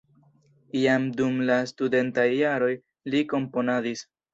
Jam dum la studentaj jaroj li komponadis.